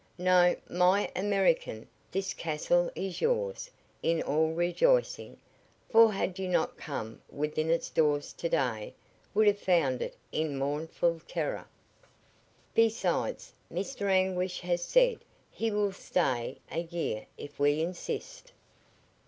No, my American, this castle is yours, in all rejoicing, for had you not come within its doors to day would have found it in mournful terror. Besides, Mr. Anguish has said he will stay a year if we insist."